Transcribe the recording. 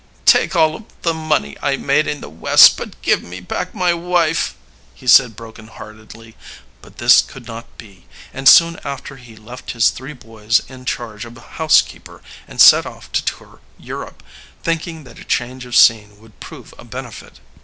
"Take all of the money I made in the West, but give me back my wife!" he said broken heartedly, but this could not be, and soon after he left his three boys in charge of a housekeeper and set off to tour Europe, thinking that a change of scene would prove a benefit.